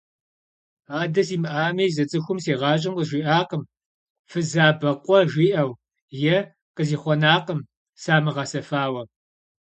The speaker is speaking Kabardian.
Адэ симыӀами, зы цӀыхум си гъащӀэм къызжиӀакъым фызабэкъуэ жиӀэу, е къызихъуэнакъым самыгъэсэфауэ.